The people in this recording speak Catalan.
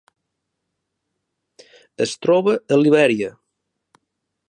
Es troba a Libèria.